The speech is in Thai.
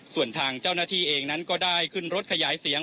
ส่วนทางเจ้าหน้าที่เองนั้นก็ได้ขึ้นรถขยายเสียง